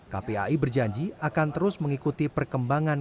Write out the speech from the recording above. kpai berjanji akan terus mengikuti perkembangan